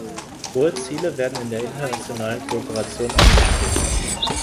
Hohe Ziele werden in der internationalen Kooperation angestrebt.